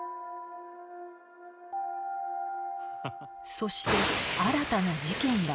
そして新たな事件が起きた